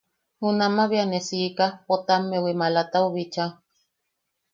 Junamaʼa bea ne siika Potammewi malatau bicha.